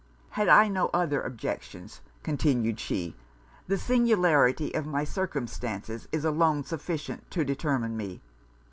'Had I no other objections,' continued she, 'the singularity of my circumstances is alone sufficient to determine me.